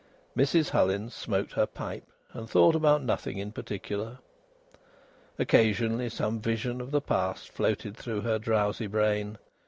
Mrs Hullins smoked her pipe, and thought about nothing in particular. Occasionally some vision of the past floated through her drowsy brain.